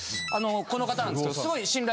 この方なんですけどすごい。